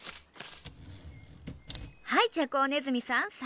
はいじゃこうねずみさん